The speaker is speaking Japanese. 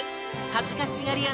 恥ずかしがり屋